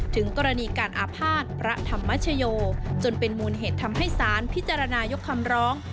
ถึงกรณีการอาภาษณ์พระธรรมชโยจนเป็นมูลเหตุทำให้สารพิจารณายกคำร้อง